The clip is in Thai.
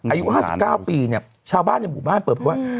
อายุ๕๙ปีเนี่ยชาวบ้านในหมู่บ้านเปิดเพราะว่า